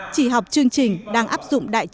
chỉ học chương trình đang áp dụng đặc biệt